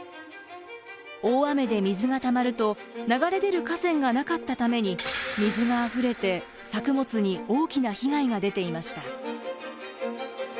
大雨で水がたまると流れ出る河川がなかったために水があふれて作物に大きな被害が出ていました。